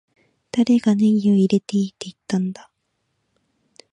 誰がネギを入れていいって言ったんだ